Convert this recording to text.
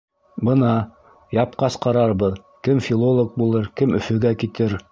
Бына, япҡас ҡарарбыҙ: кем филолог булыр, кем Өфөгә китер!